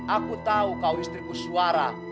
aku tahu kau istri kuswara